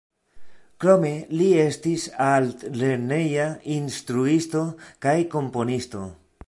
Krome li estis altlerneja instruisto kaj komponisto.